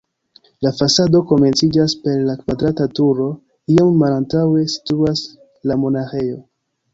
La fasado komenciĝas per la kvadrata turo, iom malantaŭe situas la monaĥejo.